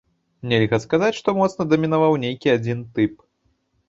Нельга сказаць, што моцна дамінаваў нейкі адзін тып.